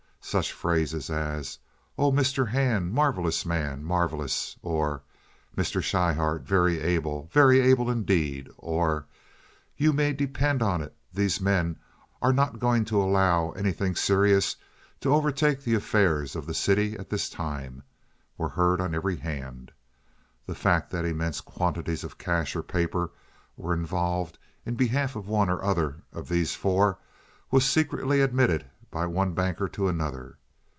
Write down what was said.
Such phrases as, "Oh, Mr. Hand! Marvelous man! Marvelous!" or, "Mr. Schryhart—very able—very able indeed!" or, "You may depend on it these men are not going to allow anything serious to overtake the affairs of the city at this time," were heard on every hand. The fact that immense quantities of cash or paper were involved in behalf of one or other of these four was secretly admitted by one banker to another.